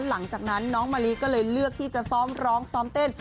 หลังจากนั้นน้องมะลิก็เลยเลือกที่จะซ้อมร้องซ้อมเต้น